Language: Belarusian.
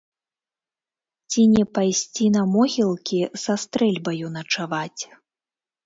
Ці не пайсці на могілкі са стрэльбаю начаваць?